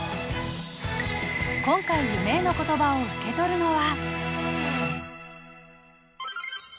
今回夢への言葉を受け取るのは。